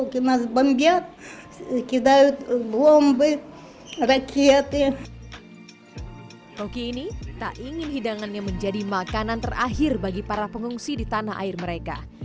roky ini tak ingin hidangannya menjadi makanan terakhir bagi para pengungsi di tanah air mereka